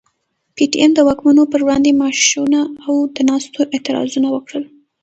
پي ټي ايم د واکمنو پر وړاندي مارشونه او د ناستو اعتراضونه وکړل.